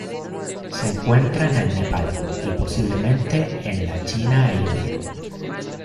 Se encuentra en el Nepal y, posiblemente en la China e India.